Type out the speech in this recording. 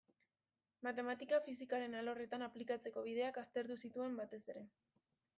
Matematika fisikaren alorretan aplikatzeko bideak aztertu zituen batez ere.